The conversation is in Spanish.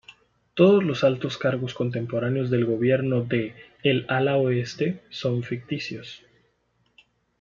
Todos los altos cargos contemporáneos del gobierno de "El ala oeste" son ficticios.